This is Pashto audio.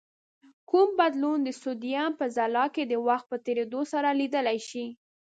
کوم بدلون د سودیم په ځلا کې د وخت په تیرېدو سره لیدلای شئ؟